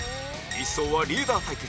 １走はリーダー対決